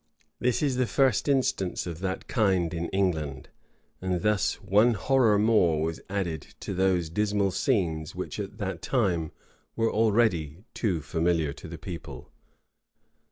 This is the first instance of that kind in England; and thus one horror more was added to those dismal scenes which at that time were already but too familiar to the people.